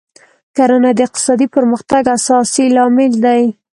کرنه د اقتصادي پرمختګ اساسي لامل دی.